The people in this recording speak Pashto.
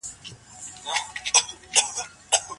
د قیامت په ورځ به هیڅ ظلم نه کیږي.